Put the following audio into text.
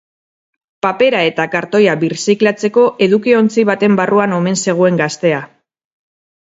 Papera eta kartoia birziklatzeko edukiontzi baten barruan omen zegoen gaztea.